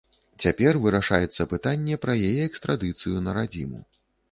Цяпер вырашаецца пытанне пра яе экстрадыцыю на радзіму.